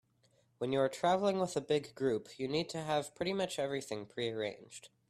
When you are traveling with a big group, you need to have pretty much everything prearranged.